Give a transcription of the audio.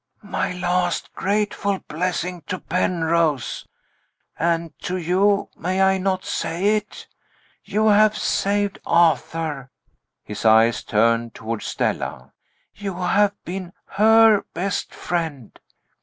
"My last grateful blessing to Penrose. And to you. May I not say it? You have saved Arthur" his eyes turned toward Stella "you have been her best friend."